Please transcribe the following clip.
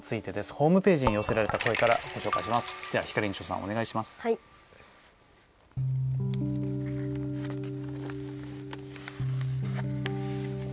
ホームページに寄せられた声からお伝えします。